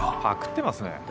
ぱくってますね。